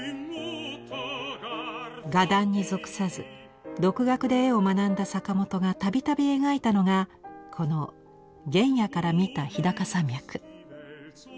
画壇に属さず独学で絵を学んだ坂本が度々描いたのがこの「原野から見た日高山脈」。